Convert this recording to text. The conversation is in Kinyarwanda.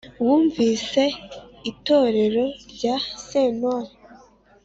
wumvise itorero rya sentore